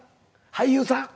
俳優さん。